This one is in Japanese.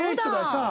そう。